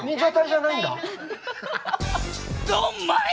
ドンマイ！